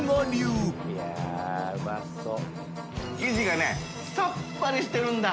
淵船礇鵝生地がねさっぱりしてるんだ。